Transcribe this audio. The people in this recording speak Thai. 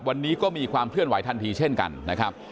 วันนี้ก็มีความเคลื่อนไหทันทีเช่นกันนะครับ